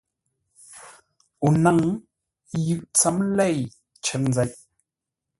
O nâŋ: yʉʼ tsəm lêi cər nzeʼ.